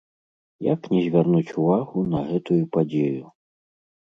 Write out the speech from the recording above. Як не звярнуць увагу на гэтую падзею!